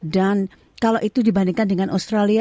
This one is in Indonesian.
dan kalau itu dibandingkan dengan australia